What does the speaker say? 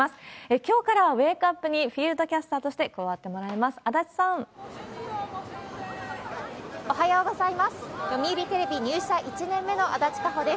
きょうからウェークアップに、フィールドキャスターとして加わっおはようございます。